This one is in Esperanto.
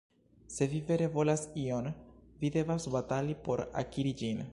Se vi vere volas ion, vi devas batali por akiri ĝin.